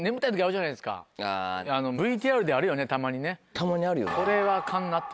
たまにあるよね。